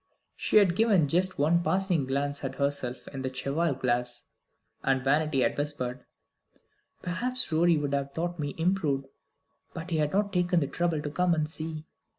She had given just one passing glance at herself in the cheval glass, and Vanity had whispered: "Perhaps Rorie would have thought me improved; but he has not taken the trouble to come and see.